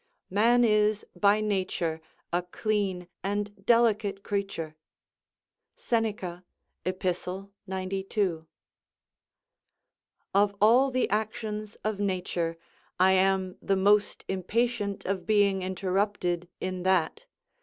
["Man is by nature a clean and delicate creature." Seneca, Ep., 92.] Of all the actions of nature, I am the most impatient of being interrupted in that.